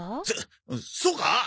そそうか？